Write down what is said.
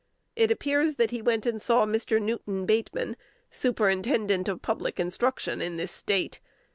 It appears that he went and saw Mr. Newton Bateman, Superintendent of Public Instruction in this State.